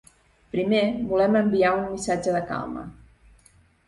Primer, volem enviar un missatge de calma.